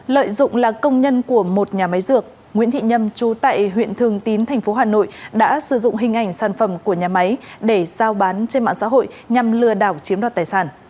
lợi dụng là công nhân của một nhà máy dược nguyễn thị nhâm trú tại huyện thường tín tp hà nội đã sử dụng hình ảnh sản phẩm của nhà máy để giao bán trên mạng xã hội nhằm lừa đảo chiếm đoạt tài sản